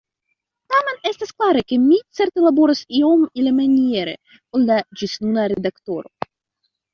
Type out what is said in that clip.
Tamen estas klare, ke mi certe laboros iom alimaniere ol la ĝisnuna redaktoro.